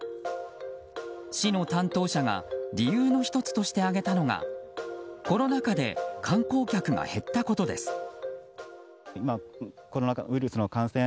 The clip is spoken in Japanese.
市の担当者が理由の１つとして挙げたのがコロナ禍で観光客が減ったことです。